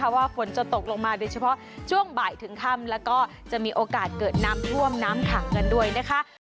ว่าฝนจะตกลงมาโดยเฉพาะช่วงบ่ายถึงค่ำแล้วก็จะมีโอกาสเกิดน้ำท่วมน้ำขังกันด้วยนะคะ